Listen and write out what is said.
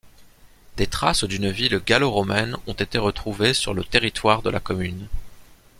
Des traces d'une ville gallo-romaine ont été retrouvées sur le territoire de la commune.